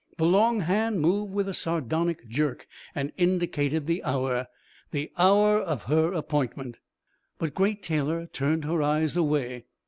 The long hand moved with a sardonic jerk and indicated the hour the hour of her appointment. But Great Taylor turned her eyes away.